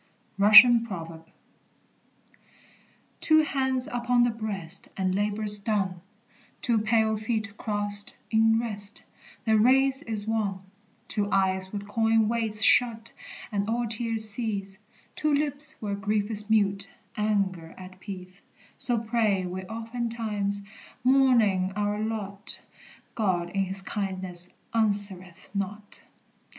RUSSIAN PROVERB. "Two hands upon the breast, And labor's done; Two pale feet crossed in rest, The race is won; Two eyes with coin weights shut, And all tears cease; Two lips where grief is mute, Anger at peace:" So pray we oftentimes, mourning our lot; God in his kindness answereth not.